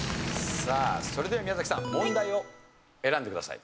さあそれでは宮崎さん問題を選んでください。